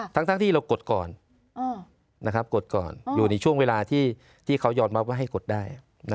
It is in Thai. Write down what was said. ทั้งที่เรากดก่อนกดก่อนอยู่ในช่วงเวลาที่เขายอมรับว่าให้กดได้